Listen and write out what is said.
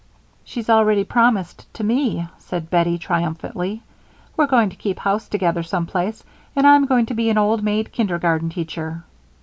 "She's already promised to me," said Bettie, triumphantly. "We're going to keep house together some place, and I'm going to be an old maid kindergarten teacher."